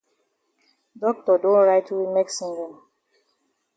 Doctor don write we medicine dem.